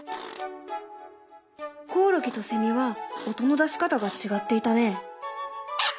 コオロギとセミは音の出し方が違っていたね。